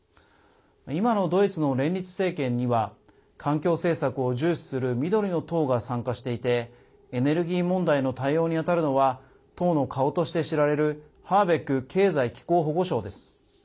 今のドイツの連立政権には環境政策を重視する緑の党が参加していてエネルギー問題の対応に当たるのは党の顔として知られるハーベック経済・気候保護相です。